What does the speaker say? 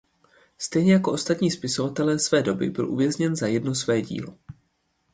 Stejně jako ostatní spisovatelé své doby byl uvězněn za jedno své dílo.